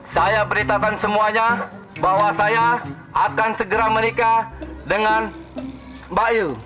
saya beritakan semuanya bahwa saya akan segera menikah dengan mbak yu